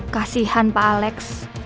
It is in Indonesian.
kasihan pak alex